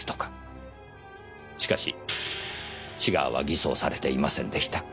しかしシガーは偽装されていませんでした。